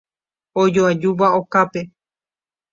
Ojoajúva okápe.